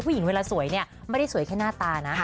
เวลาสวยเนี่ยไม่ได้สวยแค่หน้าตานะ